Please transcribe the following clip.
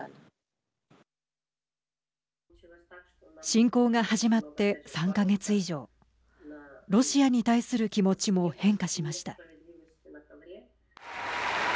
侵攻が始まって３か月以上ロシアに対する気持ちも変化しました。